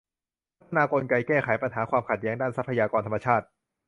พัฒนากลไกแก้ไขปัญหาความขัดแย้งด้านทรัพยากรธรรมชาติ